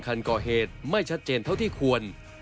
คันก่อเหตุไม่ชัดเจนเท่าที่ควร